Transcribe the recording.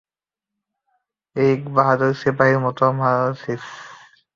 এক বাহাদুর সিপাহীর মতো মরছিস।